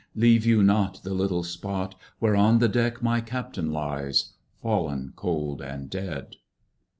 Leave you not the little spot Where on the deck my Captain lies, Fallen cold and dead.